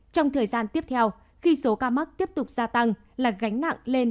trong thời gian tiếp theo khi số ca mắc tiếp tục gia tăng là gánh nặng lên